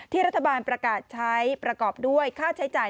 รัฐบาลประกาศใช้ประกอบด้วยค่าใช้จ่าย